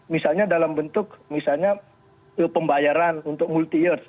misalnya dalam bentuk pembayaran untuk multi year